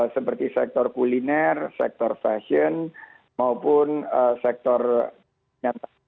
seperti sektor kuliner sektor fashion maupun sektor nyata